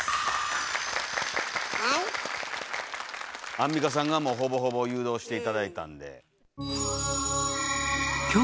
アンミカさんがもうほぼほぼ誘導して頂いたんで。